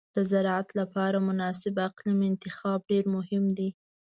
د زراعت لپاره مناسب اقلیم انتخاب ډېر مهم دی.